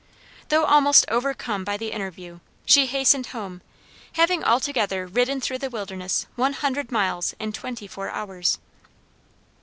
Though almost overcome by the interview, she hastened home, having altogether ridden through the wilderness one hundred miles in twenty four hours.